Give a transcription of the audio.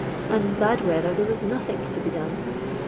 and in bad weather there was nothink to be done.